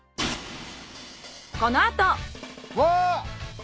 このあと。